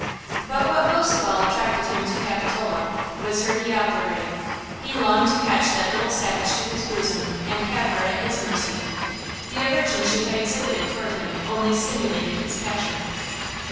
But what most of all attracted him to Capitola was her diablerie. He longed to catch that little savage to his bosom and have her at his mercy. The aversion she had exhibited toward him only stimulated his passion.